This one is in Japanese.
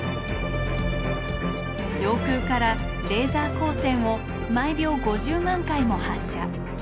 上空からレーザー光線を毎秒５０万回も発射。